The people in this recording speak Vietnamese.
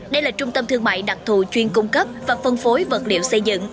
đây là trung tâm thương mại đặc thù chuyên cung cấp và phân phối vật liệu xây dựng